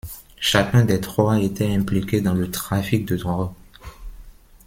Chacun des trois était impliqué dans le trafic de drogue.